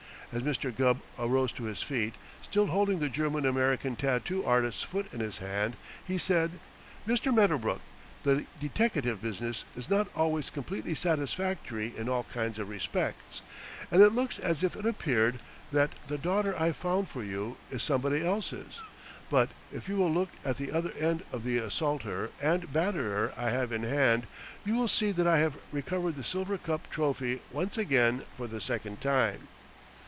As Mr. Gubb arose to his feet, still holding the German American tattoo artist's foot in his hand, he said: "Mr. Medderbrook, the deteckative business is not always completely satisfactory in all kinds of respects, and it looks as if it appeared that the daughter I found for you is somebody else's, but if you will look at the other end of the assaulter and batterer I have in hand, you will see that I have recovered the silver golf cup trophy once again for the second time."